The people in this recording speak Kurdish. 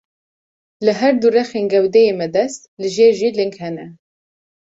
Li her du rexên gewdeyê me dest, li jêr jî ling hene.